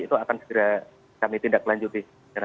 itu akan segera kami tindak lanjuti